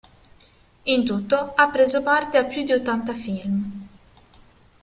In tutto, ha preso parte a più di ottanta film.